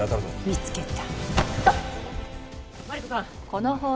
見つけた。